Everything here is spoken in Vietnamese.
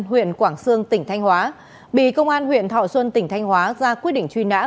huyện quảng sương tỉnh thanh hóa bị công an huyện thọ xuân tỉnh thanh hóa ra quyết định truy nã